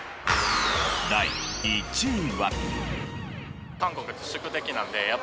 第１位は。